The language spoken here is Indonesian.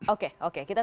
oke oke kita sekarang